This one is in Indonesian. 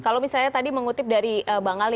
kalau misalnya tadi mengutip dari bang ali